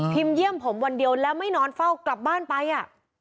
เยี่ยมผมวันเดียวแล้วไม่นอนเฝ้ากลับบ้านไปอ่ะ